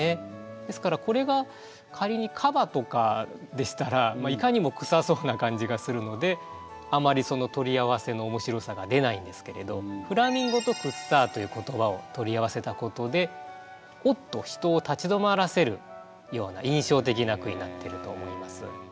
ですからこれが仮にカバとかでしたらいかにもくさそうな感じがするのであまりその取り合わせの面白さが出ないんですけれど「フラミンゴ」と「くっさー」という言葉を取り合わせたことで「おっ！」と人を立ち止まらせるような印象的な句になってると思います。